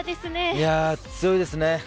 いやあ、強いですね。